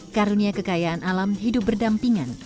karunia kekayaan alam hidup berdampingan